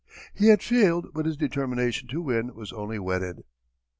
He had failed but his determination to win was only whetted.